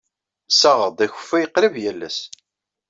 Ssaɣeɣ-d akeffay qrib yal ass.